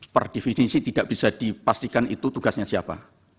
perdefinisi tidak bisa dipastikan itu tugasnya siapa